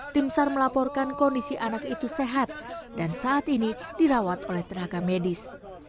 tim sar melaporkan kondisi anak itu sehat dan saat ini dirawat oleh tenaga medis